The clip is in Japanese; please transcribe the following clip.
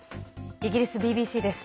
イギリスＢＢＣです。